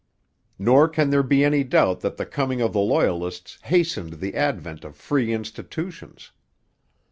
Nor can there be any doubt that the coming of the Loyalists hastened the advent of free institutions.